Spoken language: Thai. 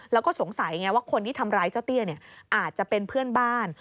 แล้วก็สงสัยไงว่าคนที่ทำร้ายเจ้าเตี้ยอาจจะเป็นเพื่อนบ้าน